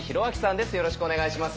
よろしくお願いします。